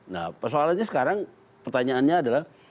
nah persoalannya sekarang pertanyaannya adalah